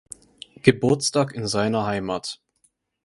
Geburtstag in seiner Heimat.